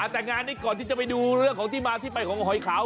แต่งานนี้ก่อนที่จะไปดูเรื่องของที่มาที่ไปของหอยขาว